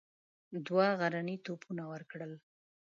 دوه غرني توپونه ورکړل.